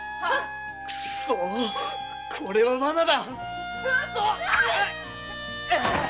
くそこれは罠だ！